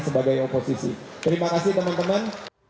sebagai oposisi terima kasih teman teman